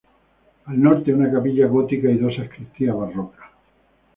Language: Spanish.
Al norte, una capilla gótica y dos sacristías barrocas.